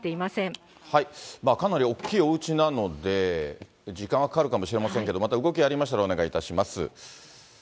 かなり大きいおうちなので、時間はかかるかもしれませんけれども、また動きありましたら、お願いいたします。